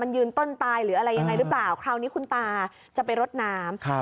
ยืนต้นตายหรืออะไรยังไงหรือเปล่าคราวนี้คุณตาจะไปรดน้ำครับ